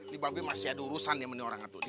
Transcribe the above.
di babi masih ada urusan ya mending orang katudih